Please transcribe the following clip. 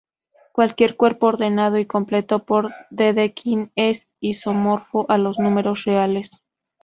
Cualquier cuerpo ordenado y completo por Dedekind es isomorfo a los números reales.